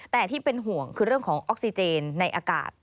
แต่ที่เป็นห่วงคือเรื่องของออกซิเจนในอากาศ